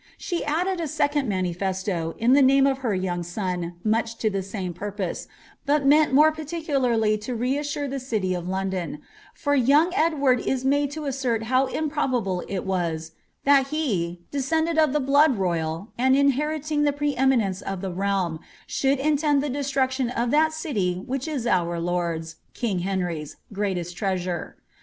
She added a second manifesto, in the name of her young son, much to the same purpose, but meant more paniculariy to re assure the city of London ; for young Edward is made to assert how improbable it was ^ that he, descended of the blood royal, and inheriting the pre eminence of the realm, should intend the destruction of that city which is our lord's (king Henry's) greatest treasure.''